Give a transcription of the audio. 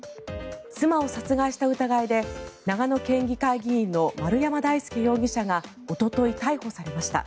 妻を殺害した疑いで長野県議会議員の丸山大輔容疑者がおととい、逮捕されました。